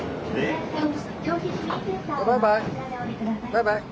バイバイ。